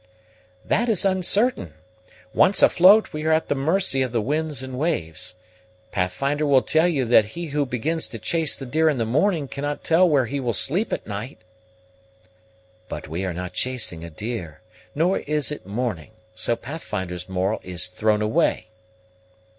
"That is uncertain. Once afloat, we are at the mercy of the winds and waves. Pathfinder will tell you that he who begins to chase the deer in the morning cannot tell where he will sleep at night." "But we are not chasing a deer, nor is it morning: so Pathfinder's moral is thrown away."